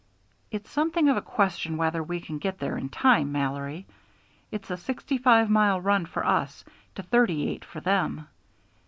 "It's something of a question whether we can get there in time, Mallory. It's a sixty five mile run for us to thirty eight for them.